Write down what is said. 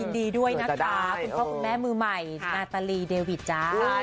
ดีด้วยนะคะคุณพ่อคุณแม่มือใหม่นาตาลีเดวิดจ้า